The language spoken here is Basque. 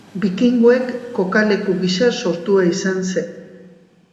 Bikingoek kokaleku gisa sortua izan zen.